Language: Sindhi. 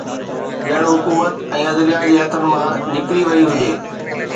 ڄڻ حڪومت ۽ عدليه جي هٿن مان نڪري وئي هجي